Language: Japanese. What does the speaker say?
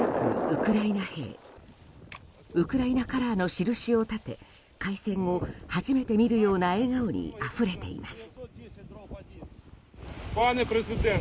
ウクライナカラーの印を立て開戦後初めて見るような笑顔にあふれています。